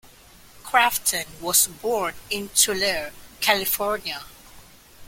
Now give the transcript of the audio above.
Crafton was born in Tulare, California.